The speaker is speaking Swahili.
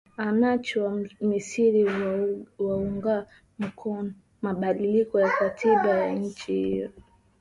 ananchi wa misri waunga mkono mabadiliko ya katiba ya nchi hiyo